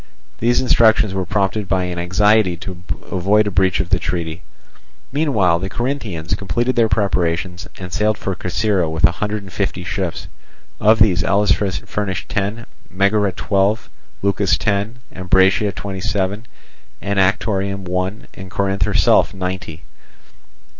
These instructions were prompted by an anxiety to avoid a breach of the treaty. Meanwhile the Corinthians completed their preparations, and sailed for Corcyra with a hundred and fifty ships. Of these Elis furnished ten, Megara twelve, Leucas ten, Ambracia twenty seven, Anactorium one, and Corinth herself ninety.